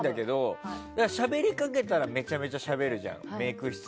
しゃべりかけたらめちゃめちゃしゃべるじゃん。